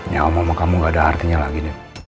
yang omong kamu gak ada artinya lagi